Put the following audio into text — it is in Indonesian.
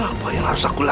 memang harus ikut